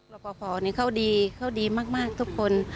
รับประพอนี่เขาดีเขาดีมากทุกคน